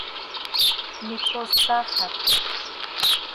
¿Mipos taaxat?